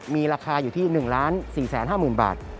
มีราคาอยู่ที่๑๔๕๐๐๐บาท